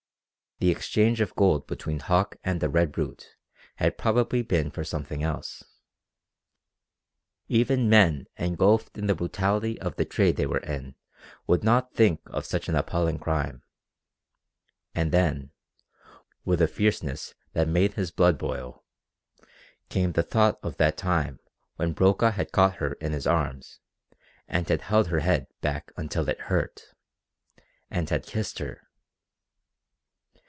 The exchange of gold between Hauck and the Red Brute had probably been for something else. Even men engulfed in the brutality of the trade they were in would not think of such an appalling crime. And then with a fierceness that made his blood boil came the thought of that time when Brokaw had caught her in his arms, and had held her head back until it hurt and had kissed her!